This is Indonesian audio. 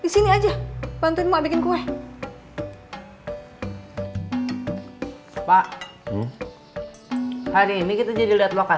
sampai jumpa di video selanjutnya